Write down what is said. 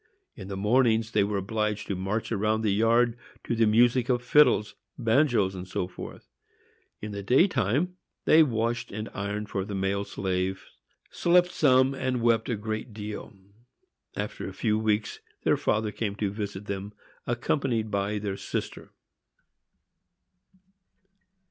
In the mornings they were obliged to march round the yard to the music of fiddles, banjoes, &c. in the day time they washed and ironed for the male slaves, slept some, and wept a great deal. After a few weeks their father came to visit them, accompanied by their sister.